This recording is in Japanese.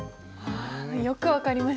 よく分かりました。